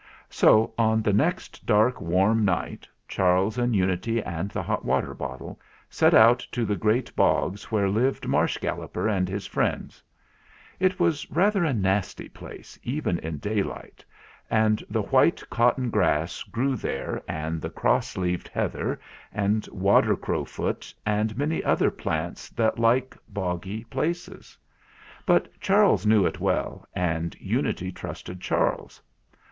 So, on the next dark warm night, Charles and Unity and the hot water bottle set out to the great bogs where lived Marsh Galloper and his friends. It was rather a nasty place even in daylight, and the white cotton grass grew there and the cross leaved heather and water crowfoot, and many other plants that like boggy places. But Charles knew it well, and Unity trusted Charles.